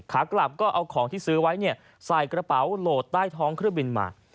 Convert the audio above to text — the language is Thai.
ขากลับก็เอาของที่ซื้อไว้ใส่กระเป๋าโหลดใต้ท้องเครื่องบินมา